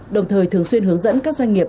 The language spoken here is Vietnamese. đồng thời thường xuyên hướng dẫn các doanh nghiệp